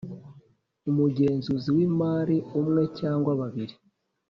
Umugenzuzi w imari umwe cyangwa babiri